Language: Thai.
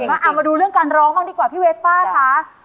มาดูเรื่องการร้องบ้างดีกว่าพี่เวสป้าคะ